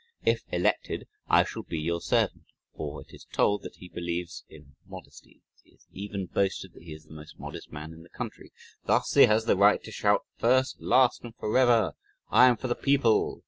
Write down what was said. If elected, I shall be your servant" ... (for, it is told, that he believes in modesty, that he has even boasted that he is the most modest man in the country)... Thus he has the right to shout, "First, last and forever I am for the people.